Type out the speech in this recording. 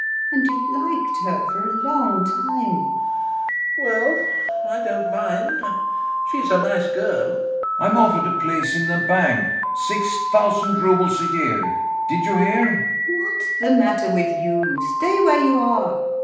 And you've liked her for a long time. LOPAKHIN. Well? I don't mind... she's a nice girl. GAEV. I'm offered a place in a bank. Six thousand roubles a year.... Did you hear? LUBOV. What's the matter with you! Stay where you are....